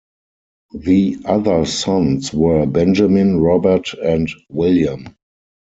The other sons were Benjamin, Robert and William.